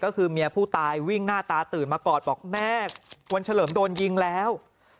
ก็คือเมียผู้ตายวิ่งหน้าตาตื่นมากอดบอกแม่วันเฉลิมโดนยิงแล้ว